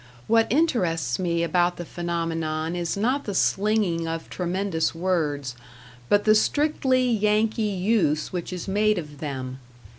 What interests me about the phenomenon is not the slinging of tremendous words, but the strictly Yankee use which is made of them.